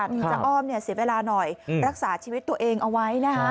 มีเจ้าอ้อมเสียเวลาหน่อยรักษาชีวิตตัวเองเอาไว้นะคะ